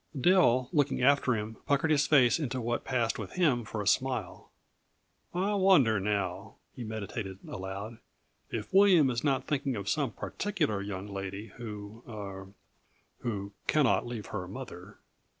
Dill, looking after him, puckered his face into what passed with him for a smile. "I wonder now," he meditated aloud, "if William is not thinking of some particular young lady who er who 'cannot leave her mother'."